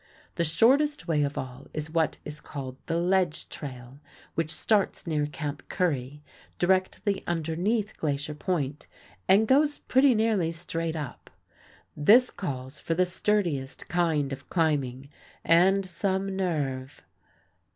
The shortest way of all is what is called the "ledge trail," which starts near Camp Curry, directly underneath Glacier Point, and goes pretty nearly straight up. This calls for the sturdiest kind of climbing and some nerve.